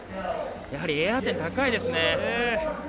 やはりエア点高いですね。